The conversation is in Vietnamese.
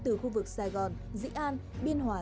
từ khu vực sài gòn dĩ an biên hòa